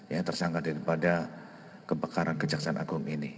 ya tersangka daripada kebakaran kejaksaan agung ini